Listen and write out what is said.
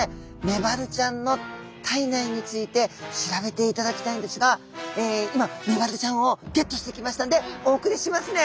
メバルちゃんの体内について調べていただきたいんですが今メバルちゃんをゲットしてきましたんでお送りしますね。